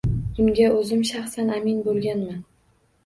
Bunga o`zim shaxsan amin bo`lganman